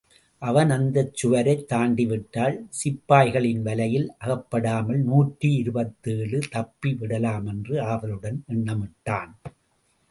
அவன் அந்தச் சுவரைத் தாண்டிவிட்டால், சிப்பாய்களின் வலையில் அகப்படாமல் நூற்றி இருபத்தேழு தப்பி விடலாமென்று ஆவலுடன் எண்ணமிட்டான்.